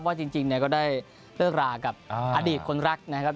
ว่าจริงก็ได้เลิกลากับอดีตคนรักนะครับ